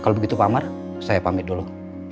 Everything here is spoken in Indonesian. kalau begitu pak amar saya pamit dulu ya